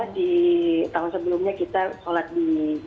di tahun sebelumnya kita sholat di